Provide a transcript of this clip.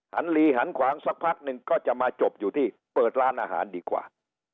ลีหันขวางสักพักหนึ่งก็จะมาจบอยู่ที่เปิดร้านอาหารดีกว่า